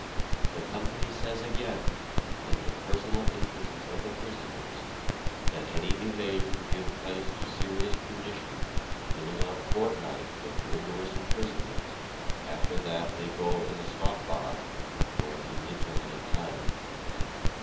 The Company says again, in the personal interests of the prisoners, that any evasion give place to serious punition (minima) fortnight of rigourous imprisonment after that they go in the "Strafbaracke" for an indeterminate time.